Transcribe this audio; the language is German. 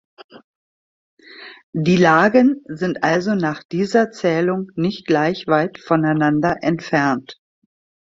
Die Lagen sind also nach dieser Zählung nicht gleich weit voneinander entfernt.